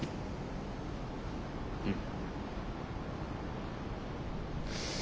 うん。